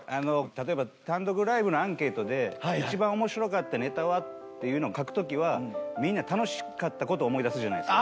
例えば単独ライブのアンケートで「一番面白かったネタは？」っていうのを書く時はみんな楽しかった事を思い出すじゃないですか。